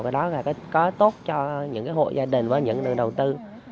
cái đó là có tốt cho những hộ gia đình và những đồng đầu tư